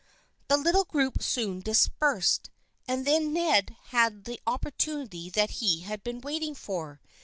The little group soon dispersed, and then Ned had the opportunity that he had been waiting for.